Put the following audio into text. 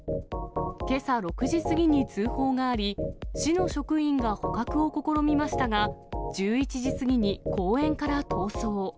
けさ６時過ぎに通報があり、市の職員が捕獲を試みましたが、１１時過ぎに公園から逃走。